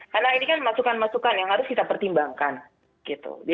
karena ini kan masukan masukan yang harus kita pertimbangkan